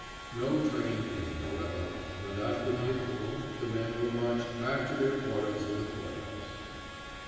No train came, however, and after nightfall the men were marched back to their quarters in the court house.